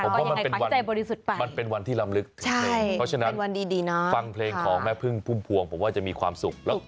มันเป็นวันที่ลำลึกเพราะฉะนั้นฟังเพลงของแม่พึ่งพุ่งพวงผมว่าจะมีความสุข